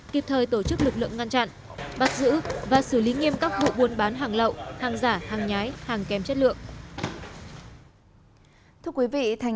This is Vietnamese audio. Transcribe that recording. kịp thời tổ chức lực lượng ngăn chặn bắt giữ và xử lý nghiêm các vụ buôn bán hàng lậu hàng giả hàng nhái hàng kèm chất lượng